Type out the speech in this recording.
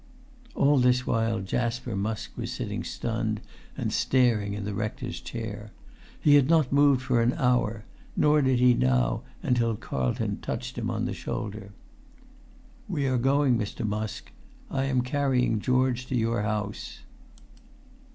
All this while Jasper Musk was sitting stunned and[Pg 289] staring in the rector's chair. He had not moved for an hour, nor did he now until Carlton touched him on the shoulder. "We are going, Mr. Musk. I am carrying Georgie to your house."